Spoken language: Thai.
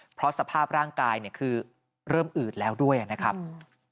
เพราะสภาพร่างกายเนี่ยคือเริ่มอืดแล้วด้วยนะครับ